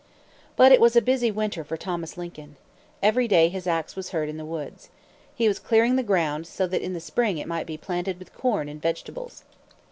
But it was a busy winter for Thomas Lincoln. Every day his ax was heard in the woods. He was clearing the ground, so that in the spring it might be planted with corn and vegetables.